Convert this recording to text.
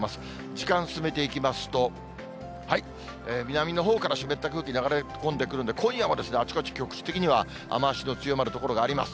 時間進めていきますと、南のほうから湿った空気、流れ込んでくるんで、今夜もあちこち、局地的には雨足の強まる所があります。